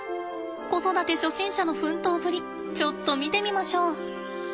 子育て初心者の奮闘ぶりちょっと見てみましょう。